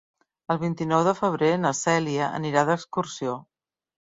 El vint-i-nou de febrer na Cèlia anirà d'excursió.